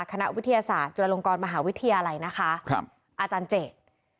คณะวิทยาศาสตร์จุฬลงกรมหาวิทยาลัยนะคะครับอาจารย์เจต